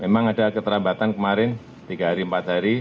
memang ada keterlambatan kemarin tiga hari empat hari